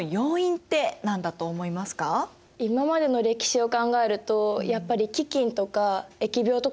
今までの歴史を考えるとやっぱり飢きんとか疫病とかかな。